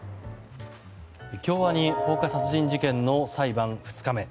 京アニ放火殺人事件の裁判２日目。